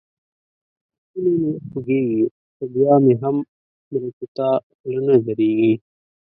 ستونی مې خوږېږي؛ خو بيا مې هم مرچو ته خوله نه درېږي.